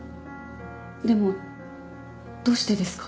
でもどうしてですか？